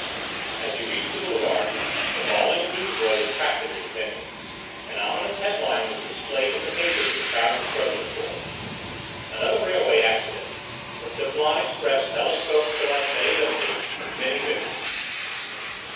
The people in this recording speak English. As he reached the boulevards the bawling of newsboys attracted his attention. An ominous headline was displayed in the papers the crowd was struggling for. "ANOTHER RAILROAD ACCIDENT. THE SIMPLON EXPRESS TELESCOPES THE MARSEILLES LIMITED. MANY VICTIMS."